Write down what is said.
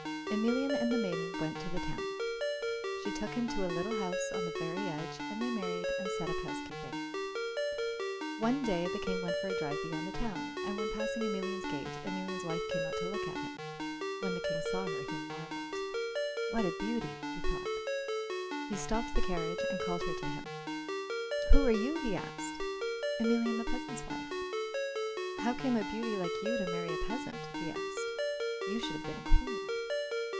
Emelian and the maiden went to the town. She took him to a little house on the very edge and they married and set up housekeeping. One day the King went for a drive beyond the town, and when passing Emelian's gate, Emelian's wife came out to look at him. When the King saw her he marvelled. "What a beauty!" he thought. He stopped the carriage and called her to him. "Who are you?" he asked. "Emelian the peasant's wife." "How came a beauty like you to marry a peasant?" he asked. "You should have been a queen."